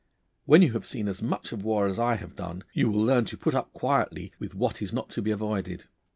When you have seen as much of war as I have done, you will learn to put up quietly with what is not to be avoided.